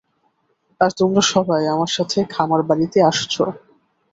আর তোমরা সবাই আমার সাথে খামারবাড়িতে আসছো।